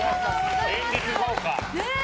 連日豪華。